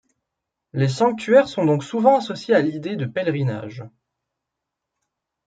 Les sanctuaires sont donc souvent associés à l'idée de pèlerinage.